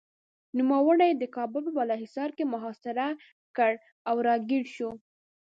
نوموړي یې د کابل په بالاحصار کې محاصره کړ او راګېر شو.